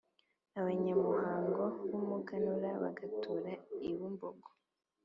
abanyamuhango b’umuganura, bagatura i Bumbogo;